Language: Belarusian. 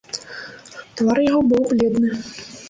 Твар яго быў бледны.